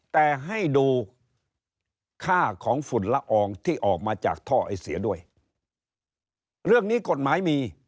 แต่ให้ดูค่าของฝุ่นละอองที่ออกมาจากท่อไอเสียด้วยเรื่องนี้กฎหมายมี